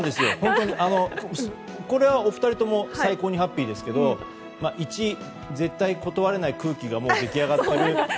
これは、お二人とも最高にハッピーですけど１、絶対断れない空気が出来上がっている。